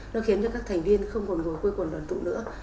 nó khiến cho các thành viên không còn ngồi cuối quần đoàn tụ nữa